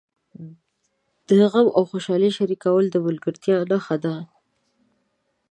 د غم او خوشالۍ شریکول د ملګرتیا نښه ده.